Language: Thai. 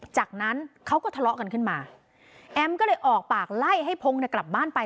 จากนั้นเขาก็ทะเลาะกันขึ้นมาแอมก็เลยออกปากไล่ให้พงศ์เนี่ยกลับบ้านไป